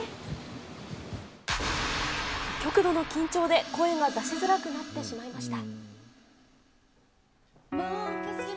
極度の緊張で声が出しづらくなってしまいました。